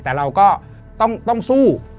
แต่เราก็ต้องสู้